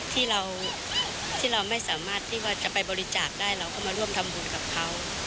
ที่เราไม่สามารถที่ว่าจะไปบริจาคได้เราก็มาร่วมทำบุญกับเขา